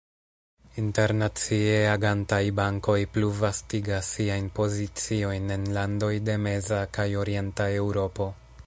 Internacie agantaj bankoj plu vastigas siajn poziciojn en landoj de meza kaj orienta Eŭropo.